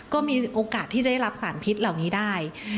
ก็มีโอกาสที่จะได้รับสารพิษเหล่านี้ได้